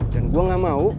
dan gue gak mau